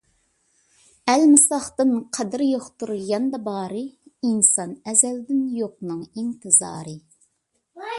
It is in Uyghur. ئەلمىساقتىن قەدرى يوقتۇر ياندا بارى، ئىنسان ئەزەلدىن يوقنىڭ ئىنتىزارى.